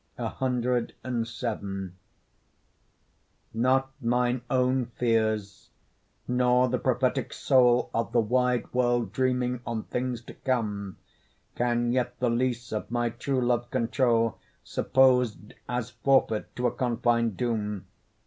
CVII Not mine own fears, nor the prophetic soul Of the wide world dreaming on things to come, Can yet the lease of my true love control, Supposed as forfeit to a confin'd doom.